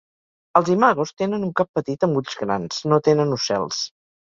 Els imagos tenen un cap petit amb ulls grans, no tenen ocels.